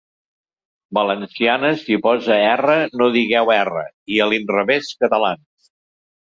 Valencianes, si posa 'erra' no digueu 'erre'; i a l'inrevès, catalans.